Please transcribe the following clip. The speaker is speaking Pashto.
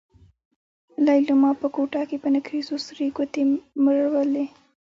ليلما په کوټه کې په نکريزو سرې ګوتې مروړلې.